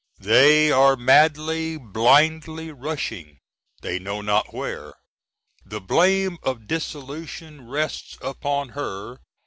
They are madly, blindly rushing, they know not where. The blame of dissolution rests upon her.